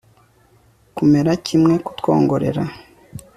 kumera kimwe, kutwongorera